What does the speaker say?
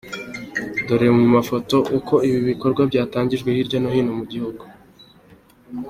Dore mu mafoto uko ibi bikorwa byatangijwe hirya no hino mu gihugu.